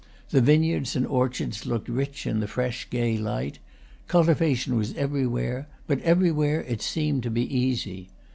The vineyards and orchards looked rich in the fresh, gay light; cultivation was everywhere, but everywhere it seemed to be easy.